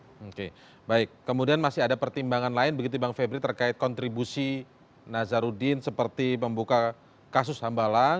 oke baik kemudian masih ada pertimbangan lain begitu bang febri terkait kontribusi nazarudin seperti membuka kasus hambalang